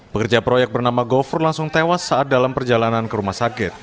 pekerja proyek bernama gofur langsung tewas saat dalam perjalanan ke rumah sakit